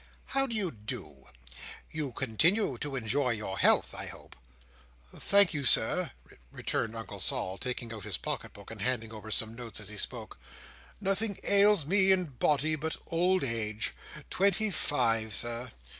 How do you do? You continue to enjoy your health, I hope?" "Thank you, Sir," returned Uncle Sol, taking out his pocket book, and handing over some notes as he spoke. "Nothing ails me in body but old age. Twenty five, Sir."